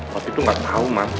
waktu itu gak tau mam